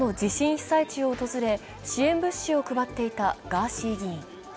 被災地を訪れ支援物資を配っていたガーシー議員。